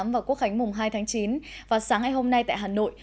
và quốc khánh mùng hai tháng chín và sáng ngày hôm nay tại hà nội